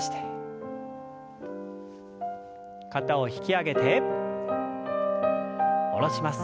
肩を引き上げて下ろします。